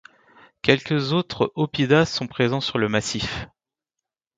Quelques autres oppida sont présent sur le massif.